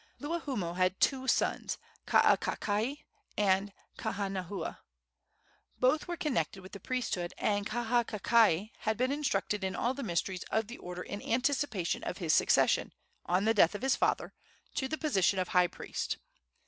Luahoomoe had two sons, Kaakakai and Kaanahua. Both were connected with the priesthood, and Kaakakai had been instructed in all the mysteries of the order in anticipation of his succession, on the death of his father, to the position of high priest.